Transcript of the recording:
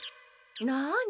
なに？